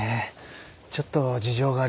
ちょっと事情がありまして。